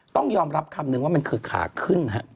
ต้องยอมรับคำนึงว่ามันคือขาขึ้นฮะ